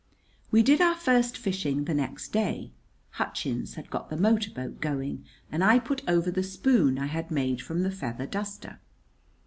We did our first fishing the next day. Hutchins had got the motor boat going, and I put over the spoon I had made from the feather duster.